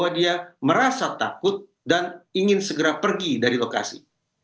dia merasa takut dan ingin segera pergi dari lokasi